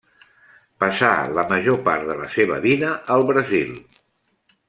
Passà la major part de la seva vida al Brasil.